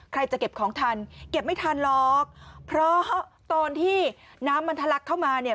ใครจะเก็บของทันเก็บไม่ทันหรอกเพราะตอนที่น้ำมันทะลักเข้ามาเนี่ย